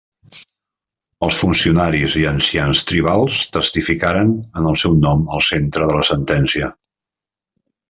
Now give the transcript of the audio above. Els funcionaris i ancians tribals testificaren en el seu nom al centre de la sentència.